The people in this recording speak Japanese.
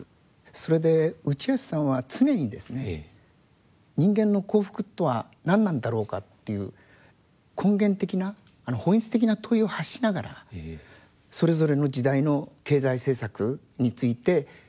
それで内橋さんは常にですね人間の幸福とは何なんだろうかっていう根源的な本質的な問いを発しながらそれぞれの時代の経済政策について批判をしてきたというふうに思います。